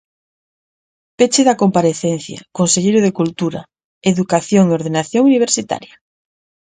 Peche da comparecencia, conselleiro de Cultura, Educación e Ordenación Universitaria.